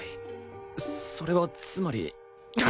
それはつまり